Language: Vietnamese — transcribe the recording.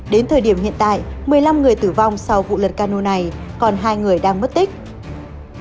đến thời điểm hiện tại một mươi năm người tử vong sau vụ lật cano này còn hai người đang mất tích